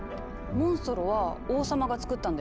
モンストロは王様が作ったんだよ。